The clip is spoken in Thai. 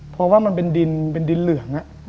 เพราะว่ามันเป็นดินเหลืองอะ